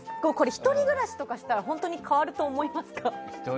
１人暮らしとかしたら変わると思いますか？